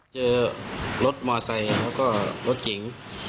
เจอรถมอเซยแล้วก็รถกิ๋ง